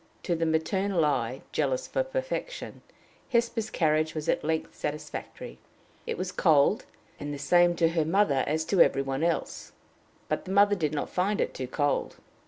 To the maternal eye, jealous for perfection, Hesper's carriage was at length satisfactory. It was cold, and the same to her mother as to every one else, but the mother did not find it too cold.